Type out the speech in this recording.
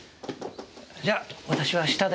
じゃ私は下で。